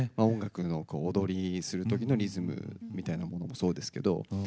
音楽の踊りするときのリズムみたいなものもそうですけど。